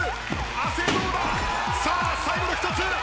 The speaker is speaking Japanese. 亜生どうだ！？さあ最後の１つ！